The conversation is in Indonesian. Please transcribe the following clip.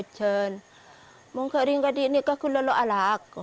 saya tidak bisa ke kota